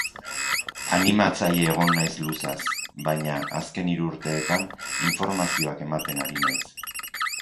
Animatzaile egon naiz luzaz, baina azken hiru urteetan informazioak ematen ari naiz.